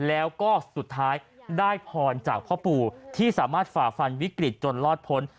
แล้วก็สุดท้ายได้พรจากพ่อปู่ที่สามารถฝ่าฟันวิกฤตจนรอดพ้น